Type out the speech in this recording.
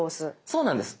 そうなんです。